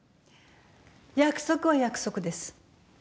約束は約束です。